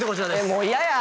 もう嫌や！